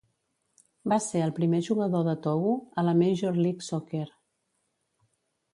Va ser el primer jugador de Togo a la Major League Soccer.